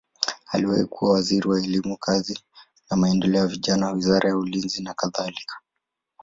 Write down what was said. Aliwahi kuwa waziri wa elimu, kazi na maendeleo ya vijana, wizara ya ulinzi nakadhalika.